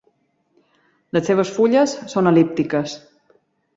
Les seves fulles són el·líptiques.